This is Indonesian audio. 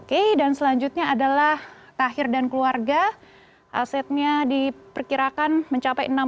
oke dan selanjutnya adalah tahir dan keluarga asetnya diperkirakan mencapai enam puluh lima lima triliun rupiah